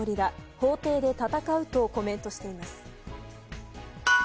法廷で戦うとコメントしています。